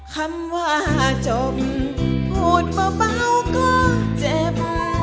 คำว่าจบพูดเบาก็เจ็บ